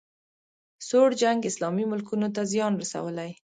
سوړ جنګ اسلامي ملکونو ته زیان رسولی